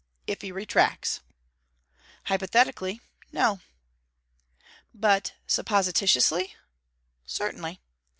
If he retracts!' 'Hypothetically, No.' 'But supposititiously?' 'Certainly.'